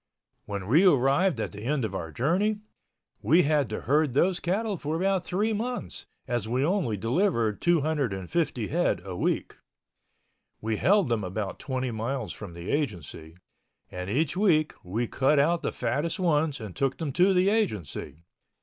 When we arrived at the end of our journey, we had to herd those cattle for about three months, as we only delivered 250 head a week. We held them about twenty miles from the Agency, and each week we cut out the fattest ones and took them to the Agency.